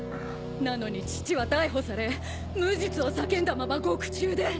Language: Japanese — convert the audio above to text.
なのに父は逮捕され無実を叫んだまま獄中で。